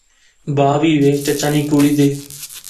با وی وہے چچا نی کڑی دی